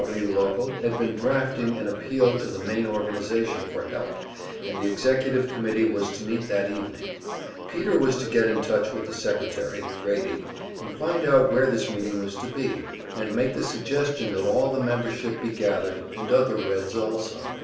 W. W. local had been drafting an appeal to the main organization for help, and the executive committee was to meet that evening; Peter was to get in touch with the secretary, Grady, and find out where this meeting was to be, and make the suggestion that all the membership be gathered, and other Reds also.